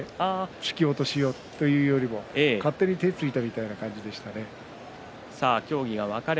突き落としをというよりも勝手に手をついたような感じですね。